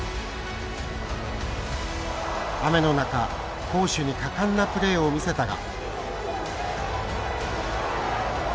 雨の中攻守に果敢なプレーを見せたが。